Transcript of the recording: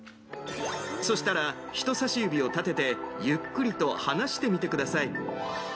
そしたら人さし指を立ててゆっくりと離してみてください。